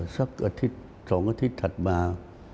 สักอาทิตย์๒อาทิตย์ถัดมา